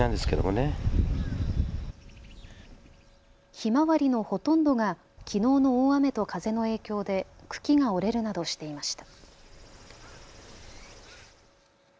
ひまわりのほとんどがきのうの大雨と風の影響で茎が折れるなどしていました。